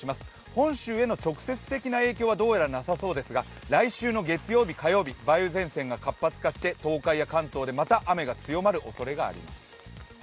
本州への直接的な影響はなさそうですが、来週の月曜日、火曜日、梅雨前線が活発化して、東海や関東でまた雨が強まるおそれがあります。